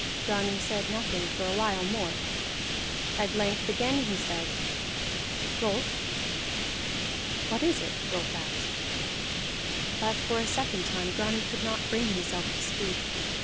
Grani said nothing for a while more; at length again he said, "Rolf." "What is it?" Rolf asked. But for a second time Grani could not bring himself to speak.